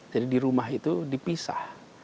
jadi di rumah itu dipisah